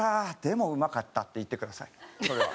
でもうまかった」って言ってくださいそれは。